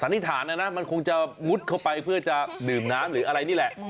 นิษฐานนะนะมันคงจะมุดเข้าไปเพื่อจะดื่มน้ำหรืออะไรนี่แหละ